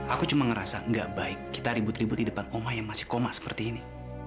aku cuma ngerasa gak baik kita ribut ribut di depan omah yang masih koma seperti ini